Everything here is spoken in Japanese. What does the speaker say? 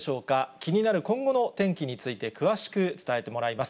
気になる今後の天気について、詳しく伝えてもらいます。